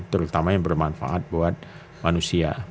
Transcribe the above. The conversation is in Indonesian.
terutama yang bermanfaat buat manusia